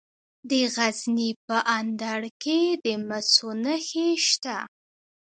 د غزني په اندړ کې د مسو نښې شته.